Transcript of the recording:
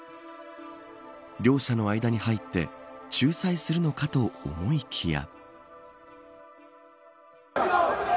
両者の間に入って仲裁するのかと思いきや。